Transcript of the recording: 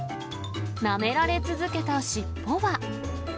なめられ続けた尻尾は。